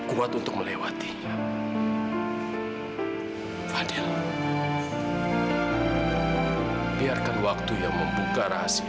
kak fadil gak kenapa napa kok